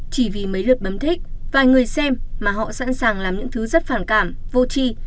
chỉ vì mấy lượt bấm thích vài người xem mà họ sẵn sàng làm những thứ rất phản cảm vô chi